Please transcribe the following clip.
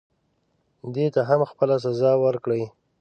دې ته هم خپله سزا ورکړئ.